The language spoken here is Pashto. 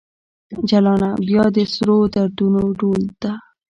جلانه ! بیا د سرو دردونو ډول ته